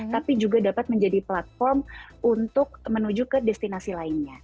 tapi juga dapat menjadi platform untuk menuju ke destinasi lainnya